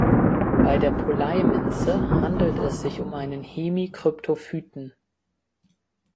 Bei der Polei-Minze handelt es sich um einen Hemikryptophyten.